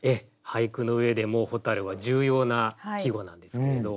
俳句の上でも「蛍」は重要な季語なんですけれど。